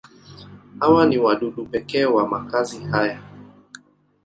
Hawa ni wadudu pekee wa makazi haya.